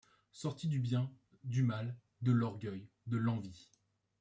Sortis du bien, du mal, de l’orgueil, de l’envie